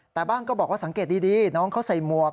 แต่บ้างก็บอกว่าสังเกตดีน้องเขาใส่หมวก